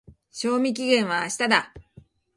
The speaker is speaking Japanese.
賞味期限は明日だ。